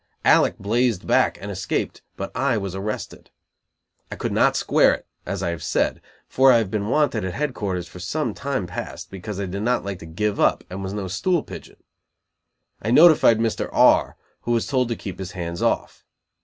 Alec blazed back, and escaped, but I was arrested. I could not square it, as I have said, for I had been wanted at Headquarters for some time past, because I did not like to give up, and was no stool pigeon. I notified Mr. R , who was told to keep his hands off.